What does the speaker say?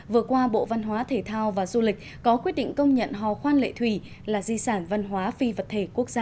vừa qua bộ văn hóa thể thao và du lịch có quyết định công nhận hò khoan lệ thủy là di sản văn hóa phi vật thể quốc gia